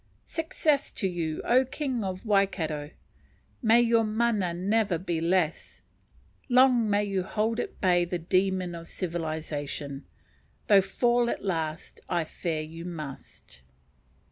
Success to you, O King of Waikato. May your mana never be less; long may you hold at bay the demon of civilization, though fall at last I fear you must.